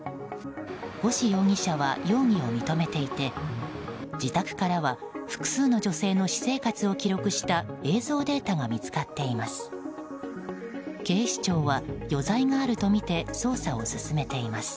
星容疑者は、容疑を認めていて自宅からは複数の女性の私生活を記録した映像データが見つかっています。